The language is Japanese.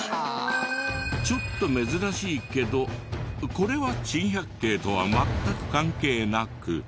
ちょっと珍しいけどこれは珍百景とは全く関係なく。